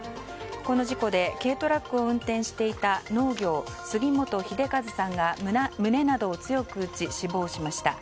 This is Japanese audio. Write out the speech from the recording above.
この事故で軽トラックを運転していた農業、杉本英喬さんが胸などを強く打ち死亡しました。